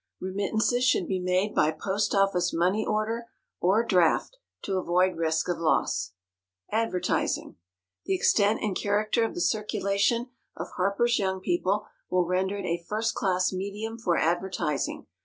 Remittances should be made by POST OFFICE MONEY ORDER or DRAFT, to avoid risk of loss. ADVERTISING. The extent and character of the circulation of HARPER'S YOUNG PEOPLE will render it a first class medium for advertising.